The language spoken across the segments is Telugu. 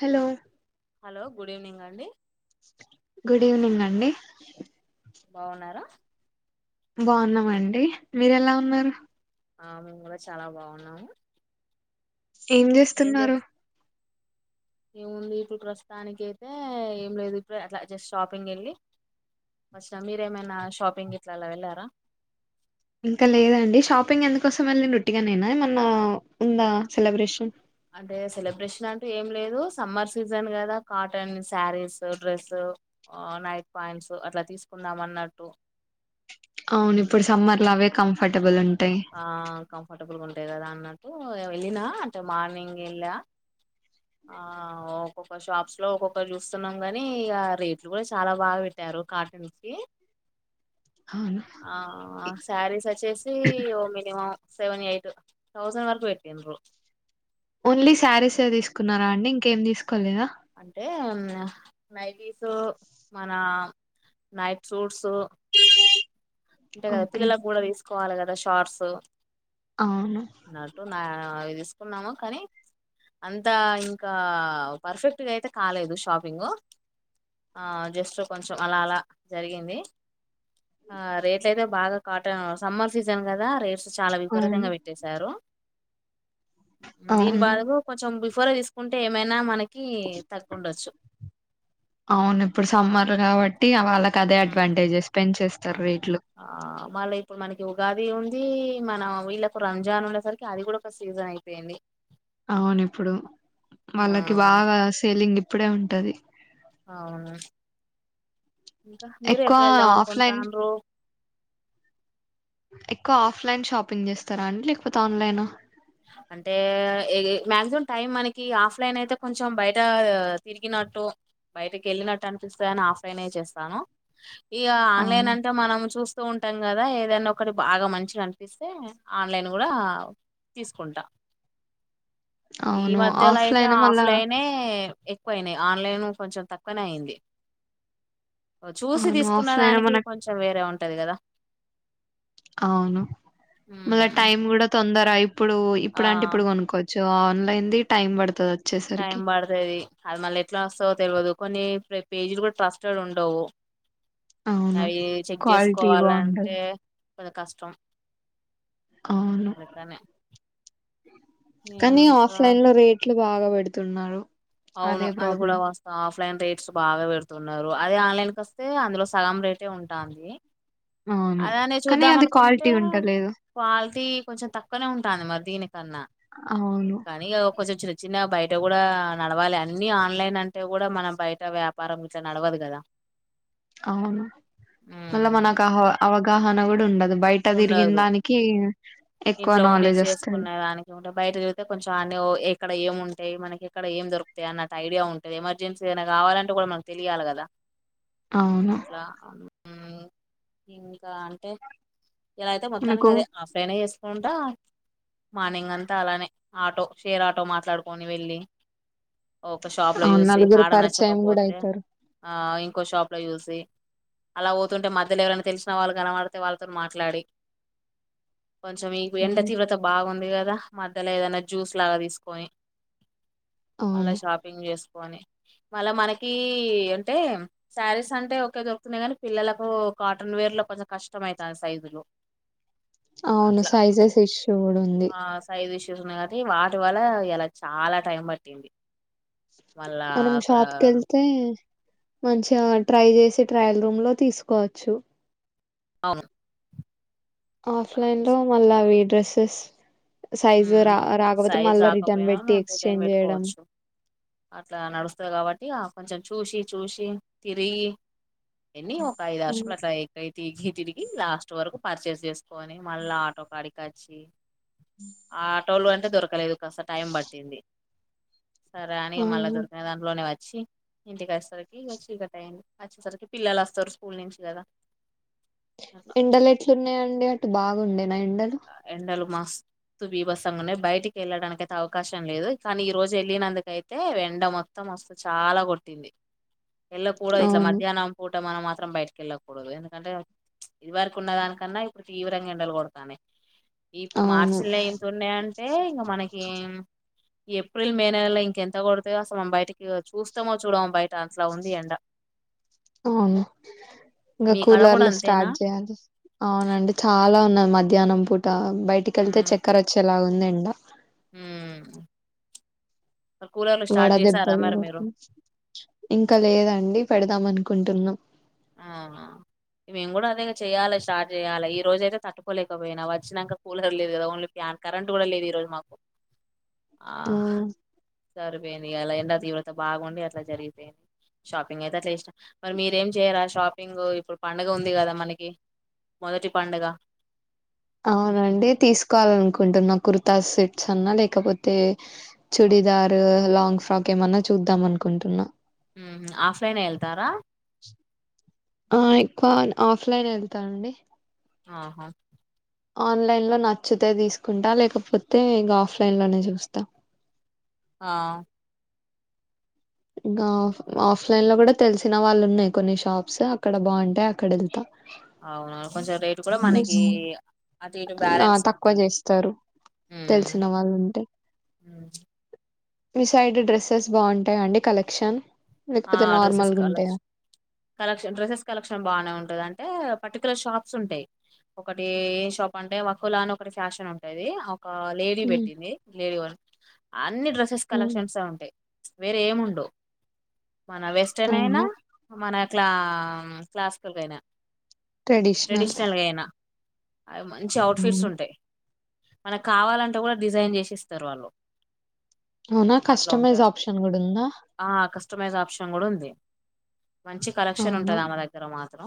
హలో హలో గుడ్ ఈవెనింగ్ అండి గుడ్ ఈవెనింగ్ అండి బాగున్నారా బాన్నామండి మీరు ఎలా ఉన్నారు ఆ మేము కూడా చాలా బాగున్నాము ఏం చేస్తున్నారు ఏముంది ఇప్పుడు ప్రస్తుతానికి అయితే ఏం లేదు ఇప్పుడు అట్లా జస్ట్ షాపింగ్ ఏళ్ళి ఫస్ట్ మీరేమైనా షాపింగ్ ఇట్లా అలా వెళ్ళారా ఇంకా లేదండి షాపింగ్ ఎందుకోసం వెళ్ళిడ్రూ ఉట్టిగాన నేనా ఏమన్నా ఉందా సెలబ్రేషన్ అంటే సెలబ్రేషన్ అంటే ఏం లేదు సమ్మర్ సీజన్ కదా cotton saris dress night points అట్లా తీసుకుందాం అన్నట్టు అవును ఇప్పుడు సమ్మర్ లో అవే కంఫర్టబుల్ ఉన్ ఆ కంఫర్టబుల్ గా ఉంటాయి కదా అన్నట్టు వెళ్ళినా అంటే మార్నింగ్ ఏళ్ళా ఆ ఒక్కొక్క షాప్స్ లో ఒక్కొక్కల్ని చూస్తున్నాం కాని ఇక రేట్లు కూడా చాలా బాగా పెట్ట రు కాటన్ కి అవును ఆ శారీస్ వచ్చేసి ఓ మినిమం సెవన్ ఎయిట్ థౌసండ్ వరకు పెట్టిండ్రు ఓన్లీ శారీస్ తీసుకున్నారా అండి ఇంకేం తీసుకోలేదా అంటే నైటిస్ మన నైట్ సూట్స్ ఉంటే ఓకే పిల్లలకు కూడా తీసుకోవాలి కదా షార్ట్స్ అవును నటు నా అవి తీసుకున్నాము కానీ అంతా ఇంకా పర్ఫెక్ట్గా అయితే కాలేదు షాపింగ్ ఆ జస్ట్ కొంచెం అలా అలా జరిగింది ఆ రే ఎట్లయితే బాగా కాటన్ సమ్మర్ సీజన్ కదా రేట్స్ చాలా అవును విపరీతంగా పెట్టేశారు దీని అవును బాధ కొంచెం బిఫోర్ తీసుకుంటే ఏమైనా మన అవును ఇప్పుడు సమ్మార్ కాబ టి వాళ్ళకి అదే ఉమ్ అడ్వాంటేజెస్ పెంచెస్ ఆ మళ్ళీ ఇప్పుడు మనకి ఉగాది ఉంది మనం వీళ్ళ ఒక రంజాన్ ఉన్నేసరికి అది కూడా ఒక సీజన్ అయిపోయింది అవునిప్పుడు ఆ వాళ్ళకి బాగా సేలింగ్ ఇప్పుడే ఉంటది అవును ఇంకా మీరు ఎక్కువ ఎప్పుడ వెళ్దాం ఆఫ్లైన్ అనుకుంటార్రు ఎక్కువ ఆఫ్లైన్ షాపింగ్ చేస్తారా అండి లేకపోతే ఆన్లైన్ అంటే మక్సిమం టైం మనకి ఆఫ్లైన్ అయితే కొంచెం బయట తిరిగిన టు బయటికి వెళ్ళినట్టు అనిపిస్తాయని ఆఫ్ అయినే చేస్తాను ఇగ ఆ! ఆన్లైన్ అంటే మనం చూస్ వస్తూ ఉంటాం కదా ఏదనా ఒకటి బాగా మంచి అనిపిస్తే ఆన్లైన్ కూడా తీసుకుంటా ఈ అవును. మధ్యలో అయితే ఆఫ్‌లైనే మళ్ళా ఆఫ్లైనే ఎక్కువయినాయి ఆన్లైన్ కొంచెం తక్కువనే అయింది చూసి అవును. తీసుకున్న ఆఫ్‌లైనే దానికి మనక్ కొంచెం వేరే ఉంటది కదా అవును మళ్ళా ఉమ్, టైం కూడా తొందరా ఇప్పుడు ఆ ఇప్పుడు అంటే ఇప్పుడు కొనుక్కోవచ్చు సో ఆన్లైన్ది టైమ్ పడుతుద్ టైం పడుతది అది మళ్ళీ ఎట్లా వస్తదో తెలియదు కొన్ని పేజిలు కూడా ట్రస్టడ్ ఉండవు అవును. అవి చెక్ క్వాలిటీ బావుండదు. చేసుకోవాలంటే మల్ల కష్టం అవును. అందుకనే కానీ ఇంకా ఆఫ్లైన్ లో రేట్లు బాగా పెడుతున్నారు అవును అది కూడా వాస్తవం ఆఫ్ లైన్ రేట్స్ బాగా పెడుతున్నారు అదే ఆన్లైన్ క వస్తే అందులో సగం రేటే ఉంటంది అవును. అదనే కానీ చూద్దాం అది అనుకుంటే క్వాలిటీ ఉంటలేదు. క్వాలిటీ కొంచెం తక్కువనే ఉంటంది మరి దీనికన్నా అవును. కానీ కొంచెం చిన్న చిన్న బయట అంటే కూడా నడవాలి అన్ని ఆన్లైన్ అంటే కూడా మనం బయట వ్యాపారం ఇట్ల నడవదు కదా అవును మళ్ళా ఉమ్ మనకు అ అవగాహన కూడా ఉండదు బయట తిరిగిన ఉండదు దానికి ఎక్కువ ఇంట్లో ఉండి నాలెడ్జ్ ఒస్తది. చేసుకునే దానికి ఉంటే బయట తిరుగుతే కొంచెం అన్ని ఎక్కడ ఏంము అంటే మనకి ఇక్కడ ఏం దొకుతయి అన్నట్టు ఐడియా ఉంటుది ఎమర్జెన్సీ ఏవైనా కావాలంటే కూడా మన తెలియాలి కదా అవును. అట్లా ఇంకా అంటే ఇలా అయితే మొత్తానికి మనకు అదే ఆఫ్లైనే చేసుకోంటా మార్నింగ్ అంతా అలానే ఆటో షేర్ ఆటో మాట్లాడుకొని వెళ్ళి ఒక షాప్ లో అవును చూసి నలుగురు ఆడ పరిచయం కూడా నచ్చకపోతే అయితారు ఆ ఇంకో షాప్ లో చూసి అలా పోతుంటే, మధ్యలో ఎవరన తెలిసిన వాళ్ళు కనపడితే వాళ్ళతో మాట్లాడి, కొంచెం ఈ ఎండ అవును తీవ్రత బాగుంది కదా మధ్యలో ఏదైనా జ్యూస్ లాగా తీసుకొని మళ్ళా అవును షాపింగ్ చేస్త పో, మళ్ళ మనకి అంటే శారీస్ అంటే ఒకే దొరుకుతున్నాయి కానీ, పిల్లలకు కాటన్ వేర్ లో కొంచం కష్టంమయితంది సైజులు అవును అట్లా సైజస్ ఇష్యూ కూడ ఆ సైజ్ ఇష్యూస్ ఉన్నాయి కాబట్టి, వాటి వల్ల ఇయాల చాల టైం పట్టింది. మళ్ళా మనం అక్కడ షాప్ కెళ్తే, మంచిగ ట్రై చేసి ట్రయల్ రూమ్ లో తీసుకోవచ్చు. అవును అట్లా ఆఫ్లైన్ లో మళ్ళా అవి డ్రస్సెస్ సైజు ఉమ్, రా రాకపోతే, సైజ్ మళ్ళా రిటర్న్ రాకపోయినా పెట్టి మనం రిటర్న్ ఎక్స్చేంజ్ చేయడం. పెట్టుకోవచ్చు అట్లా నడుస్తది కాబట్టి, ఆ కొంచెం చూసి చూసి తిరిగి ఎన్ని ఒక అయిదారు షూ అవును లు అట్ల ఎక్కి తిరిగి తిరిగి, లాస్ట్ వరకు పర్చేస్ చేసుకొని, మళ్ళా ఆటో కాడికి అచ్చి, హ ఆటోలో అంటే దొరకలేదు కాస్త టైం పట్టింది. సరే అని మళ్ళ అవును. దొరికిన దాంట్లోనే వ చ్చి ఇంటికి వచ్చేసరికి ఇక చీకటయింది. వచ్చేసరికి పిల్లలస్తారు ఇగ స్కూల్ నుంచి కదా! అట్లా ఎండలు ఎట్లున్నాయండి? అటు బాగుండేనా ఎండలు? ఎండలు మస్తు బీభసంగ ఉన్నాయి. బయటికెళ్ళడానికి అయితే అవకాశం లేదు. కానీ, ఈ రోజు వెళ్ళినందుకయితే, ఎండ మొత్తం మస్తు చాల కొట్టింది. ఎల్ల కూడద్, ఇట్ల అవును మధ్యాహ్నం పూ ట మనం మాత్రం బయటకెళ్ళకూడదు. ఎందుకంటే, ఇది వరకు ఉన్న దానికన్న ఇప్పుడు తీవ్రంగా ఎండలు కొడతాన్నాయి. ఇప్పుడు అవును మార్చిల్లె ఇంతున్నాయ్ అంటే, ఇంగ మనకి ఏప్రిల్ మే నెలలో ఇంకెంత కొడుతయో, అసలు మనం బయటికి చూస్తమో, చూడమో బయట అట్ల ఉంది ఎండ. అవును ఇంక మీ కాడ కూడా కూలర్లు అంతేనా స్టార్ట్ చేయాలి. అవునండి చాలా ఉన్నా మధ్యాహ్నం పూట బయటికెళ్తే చక్కెర వచ్చేలాగుంది ఎండ. మ్ వడదెబ్బలు కొడుతుంది. ఇంకా లేదండి పెడదాం అనుకుంటున్నాం. ఆ మేము కూడా అదే గ చెయాల. స్టార్ట్ చేయాల. ఈ రోజయితే, తట్టుకోలేకపోయినా వచ్చినంక. కూలర్ లేదు కదా ఓన్లీ ఫ్యా కరెంట్ కూడ లేదు ఈ రోజు మాకు. ఆ మ్మ్ సరిపోయిందిగ. ఇల ఎండ తీవ్రతం బాగుండి అట్ల జరిగిపోయింది. షాపింగ్ అయితే అట్ల చేసిన. మరి మీరేం చేయరా షాపింగ్ ఇప్పుడు పండుగ ఉంది కదా మనకి. మొదటి పండుగ. ఉహు అవునండి. తీసు కోవాలనుకుంటున్నా కుర్తా సెట్స్ అన్న లేకపోతే చుడిదారు, లాంగ్ ఫ్రాక్. ఏమన్న చూద్దాం అనుకుంటున్న. మ్హు ఆఫ్లైన్ ఎ ఎల్తార? ఆ ఎక్కువ ఆఫ్లైన్ ఎ ఎళ్తానండి. ఆహా ఆన్లైన్ లో నచ్చుతే తీసుకుంటా లేకపోతే ఇగ ఆఫ్లైన్ లోనే చూస్తా. ఆ ఇంగా, ఆఫ్లైన్ లో కూడా తెలిసిన వాళ్ళవున్నాయి కొన్ని షాప్స్. అక్కడ బాగుంటాయి. అక్కడెళ్తా. అవును. కొంచెం రేటు కూడ మనకి అటు ఇటు ఆ బ్యాలెన్స్ తక్కువ ఉంటది. చేస్తారు తెలిసిన వాళ్లుంటే. మ్ మి సైడ్ డ్రస్సెస్ బాగుంటాయ అండి కలెక్షన్? ఆ లేకపోతే డ్రెస్సెస్ నార్మల్గా ఉంటాయా? కలెక్షన్ కలెక్షన్ డ్రెస్సెస్ కలెక్షన్ బానే ఉంటది అంటే పర్టికులర్ షాప్స్ ఉంటాయి ఒకటీ ఏ షాప్ అంటే వహులా అని ఒకటి ఫ్యాషన్ ఉంటది ఒక లేడీ హ్మ్. పెట్టింది లేడీ వన్ అన్ని డ్రెస్సెస్ హ్మ్. కలెక్షన్స్ ఉంటా్ వేరే ఏముండవ్ మన వెస్ట్రన్ అయినా అవును. మన క్లా క్లాసికల్గ అయినా ట్రెడిషనల్ ట్రెడిషనల్గయినా మంచి అవుట్ఫిట్స్ అవును. ఉంటయి మన క్ కావాలంటే కూడ డిజైన్ చేసిేస్తారు వాళ్ళు అవున అట్లా కస్టమైజ్ ఉంటారు ఆప్షన్ కూడ ఉందా ఆ కస్టమైజ్ ఆప్షన్ కూడ ఉంది మంచి కలెక్షన్ అవును. ఉంటది ఆమె దగ్గర మాత్రం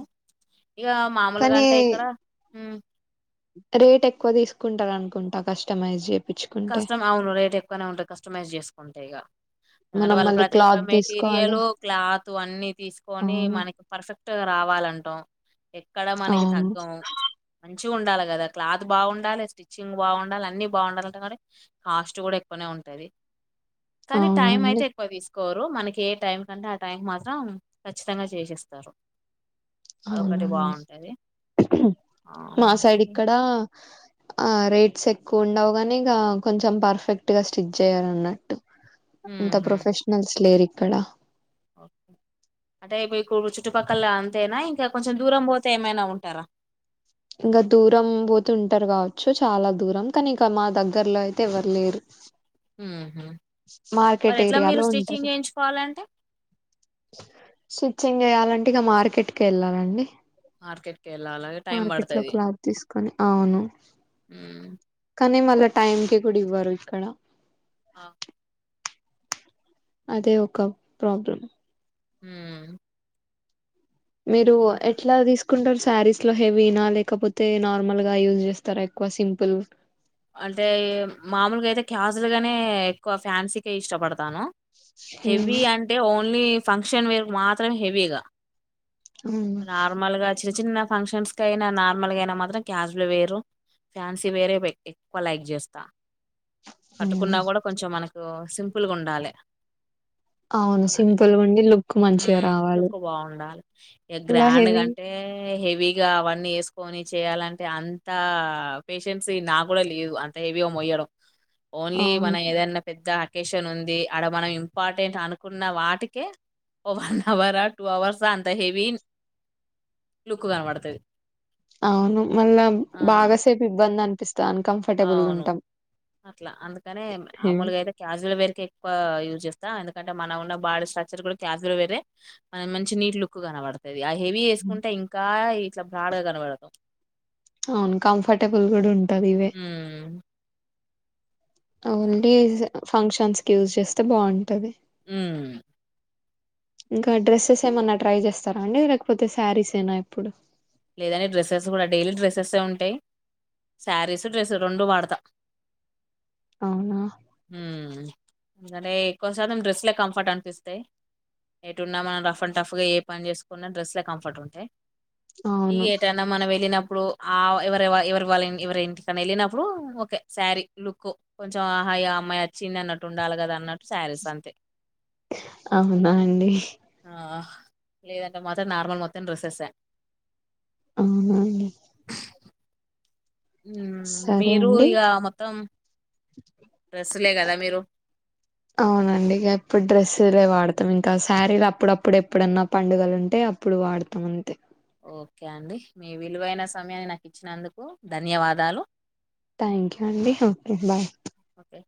ఇక మామూలగా కానీ అంటే ఇక్కడ రేట్ ఎక్కువ తీసుకుంటారనుకుంటా కస్టమైజ్ చె కస్టమ్ అవును రేట్ ఎక్కువనే ఉంటాయి కస్టమైజ్ చేసుకుంటే ఇగ అంటె మనం వాళ్ళ మళ్ళీ ప్రతి ఒక్క క్లాత్ మెటీరియల్ తీసుకోవాలి. క్లాత్ అన్నిీ తీసుకొని అవును. మనకి పర్ఫెక్ట్ క్ట్ రావాలంటాం ఎక్కడ మనకి అవును. తగ్గం మంచి మంచిగ ఉండాలి కదా క్లాత్ బాగుండాలి స్టిచ్చింగ్ బాగుండాల అన్ని బాగుండాలి కాస్ట్ కూడ ఎక్కువనే ఉంటది కానీ టైం అవునండి. అయితే ఎక్కువ తీసు కోరు మనకి ఏ టైం కంటే ఆ టైం మాత్రం ఖచ్చితంగా చేసిస్తారు అవునా అండి ఆ మా సైడ్ ఇక్కడ ఆ రేట్స్ ఎక్కువ ఉండవు గాని ఇక కొంచెం పర్ఫెక్ట్ గా స్టిచ్ చేయాలన్నట్టు ఇంత ప్రొఫెషనల్స్ లేరు ఇక్కడ ఓకే అంటే మీకు చుట్టుపక్కల అంతేనా ఇంకా కొంచెం దూరం పోతే ఏమైన ఉంటార ఇంక దూరం పోతె ఉంటారు కావచ్చు చాలా దూరం కానీ ఇక మా దగ్గర్లో అయితే ఎవ్వరు లేరు ఊహు మార్కెట్ మరెట్లా మీరు ఏరియాలో ఉంటారు స్టిచ్చింగ్ చేయించుకోవాలంటే స్టిచ్చింగ్ చేయాలంటే ఇక మార్కెట్కిి వెళ్ళాలండి మార్కెట్ కె వెళ్లాల మార్కెట్ లో క్లాత్ తీసుకొని అవును ఉమ్ కానీ మళ్ళ టైమ్ కి కూడ ఇవ్వరు ఇక్కడ ఆ అదే ఒక ప్రాబ్లం మ్ మీరు ఎట్లా తీస్ స్కుంటారు శారీస్ లో హెవీనా లేకపోతే నార్మల్ గా యూజ్ చేస్తారుా ఎక్కువ సింపుల్ అంటే మామూల్గా అయితే క్యాజులుగానే ఎక్కువ ఫ్యాన్సీ కె ఇష్టపడత తాను ఉమ్, హెవీ అంటే ఓన్లీ ఫంక్షన్ వేరుక్ మాత్రమె హెవీ ఇగా అవును నార్మల్ గా చిన్న చిన్న ఫంక్షన్స్ కయినా నార్మల్గ అయిన మాత్రం క్యాజువల్ వేరు ఫ్యాన్సీ వేరే బెట్టి ఎక్కువ లైక్ చేస్తా అవును పట్టుకున్నా కూడా కొంచం మనకు సింపుల్గా ఉండాలె అవును సింపుల్ గుండి లుక్ మంచిగా రావాలి ఇలా గ్రాండ్ గ హెవీ అంటే హెవీగ అవన్నీ వేసుకొని చేయాలంటే అంత పేషెన్సి నాకు కూడా లేదు అంతే హెవి య మోయ్యడం ఓన్లీ అవును మన ఏదన్నా పెద్ద వెకేషన్ ఉంది అడ మనం ఇంపార్టెంట్ అనుకున్న వాటికే వన్ అవరా టూ అవర్సా అంత హేవీ లుక్ కనబడుతుది అవును మళ్ళ బాగాసేపు ఇబ్బంది అన్ ప కంఫర్టబుల్ గా ఉంటాం అట్ల అందుకని హ్మ్. మామూల్గా అయితే క్యాజువల్ వేర్కె ఎక్కువ యూజ్ చేస్తా అంటే మన ఉన్న బాడీట్రక్చర్ కూడా క్యాజ్యాల్వేరే మన మంచి నీట్ లుక్ కనబడతది ఆ హెవీ వేసుకుంటే ఇంకా ఇట్ల బ్రాడ్ గా కనబడతం అవును కంఫర్టబుల్ కూడ ఉంటది ఇవే హ్మ్ ఓన్లీ ఫంక్షన్స్ కి యూజ్ చేస్తే బాగుంటది ఉ ఇంకా డ్రెస్సెస్ ఏమన్నా ట్రై చేస్తారా అండి లేకపోతే శారీస్ ఏనా ఎప్పుడు లేదండి డ్రెస్సెస్ కూడా డైలీ డ్రెస్సెస్ ఏ ఉంటాయి శారీసు డ్రెస్ రెండు వాడతా అవునా మ్మ్ అంటే ఎక్కువ శాతం డ్రెస్ లే కంఫర్ట్ అనిపిస్తాయి ఎటు ఉన్నా మనం రఫ్ అండ్ టఫ్గా ఏ పని చేసుకున్నా డ్రెస్ లే కంఫర్ట్ ఉంటాయి ఈ అవును ఏటన్నా మనం వెళ్ళినప్పుడు ఆ ఎవరి ఎవరి వాళ్ళ ఎవరి ఇంటికని వెళ్ళినప్పుడు ఓ శారీ లుక్ కొంచెం హ అమ్మాయి వచ్చింది అన్నట్టుండాలి కదాన్నటు అవునా అండి ఆ లేదంటే మాత్రం నార్మల్ మొత్తం డ్రెస్సెస్సే అండి అవున అండి ఉ సరే మీరు అండి ఇగ మొత్తం డ్రెస్సులే కదా మీరు అవునండి ఇక ఎప్పుడు డ్రెస్లే వాడత మొత్తం ఇంకా శారీలు అప్పుడప్పుడు ఎప్పుడన్నా పండుగలు ఉంటే అప్పుడు వాడతాం అంతే ఓకే అండి మీ విలువైన సమయాన్ని నాకు ఇచ్చినందుకు ధన్యవాదాలు థ్యాంక్ యూ అండి ఓకే బాయ్ ఓకే